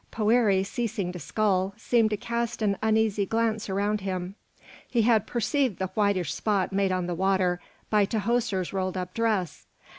Poëri, ceasing to scull, seemed to cast an uneasy glance around him. He had perceived the whitish spot made on the water by Tahoser's rolled up dress.